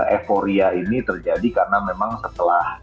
euforia ini terjadi karena memang setelah